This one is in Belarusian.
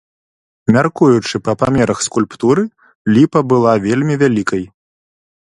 Мяркуючы па памерах скульптуры, ліпа была вельмі вялікай.